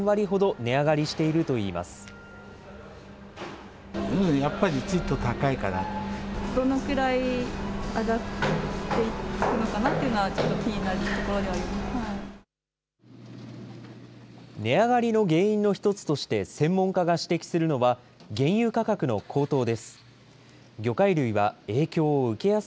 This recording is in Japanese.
値上がりの原因の１つとして専門家が指摘するのは、原油価格の高騰です。